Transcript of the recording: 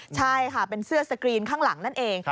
ใช่ค่ะเป็นเสื้อสกรีนข้างหลังนั่นเอง